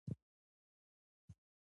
ایا زما غاړه به ښه شي؟